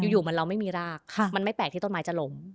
อยู่เหมือนเราไม่มีรากมันไม่แปลกที่ต้นไม้จะล้ม